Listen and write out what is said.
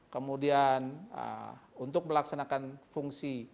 kemudian untuk melaksanakan fungsi